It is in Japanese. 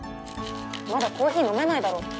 まだコーヒー飲めないだろ。